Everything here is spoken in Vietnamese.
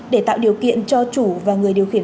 để tạo điều kiện cho chủ và người điều khiển